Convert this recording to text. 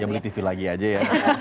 ya beli tv lagi aja ya